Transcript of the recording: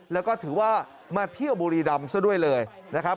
แล้วก็ถือว่ามาเที่ยวบุรีรำซะด้วยเลยนะครับ